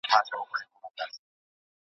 ده د محرومو خلکو یادونه وکړه.